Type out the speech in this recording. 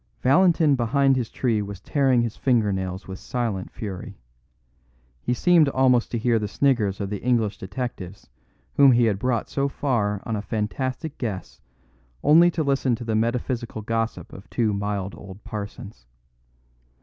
Valentin behind his tree was tearing his fingernails with silent fury. He seemed almost to hear the sniggers of the English detectives whom he had brought so far on a fantastic guess only to listen to the metaphysical gossip of two mild old parsons.